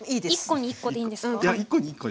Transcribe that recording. １個に１個でいいんですか？